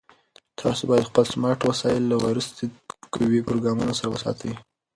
تاسو باید خپل سمارټ وسایل له ویروس ضد قوي پروګرامونو سره وساتئ.